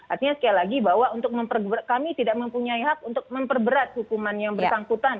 artinya sekali lagi bahwa kami tidak mempunyai hak untuk memperberat hukuman yang bersangkutan